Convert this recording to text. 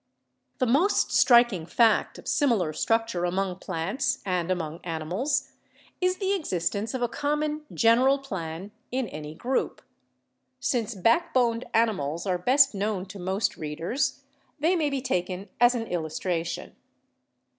The most striking fact of similar structure among plants and among animals is the existence of a common general plan in any group. Since backboned animals are best known to most readers, they may be taken as an illustra tion.